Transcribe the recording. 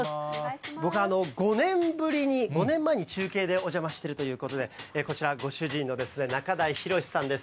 僕、５年ぶりに、５年前に中継でお邪魔しているということで、こちら、ご主人の中臺洋さんです。